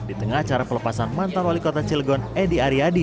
di tengah acara pelepasan mantan wali kota cilegon edi aryadi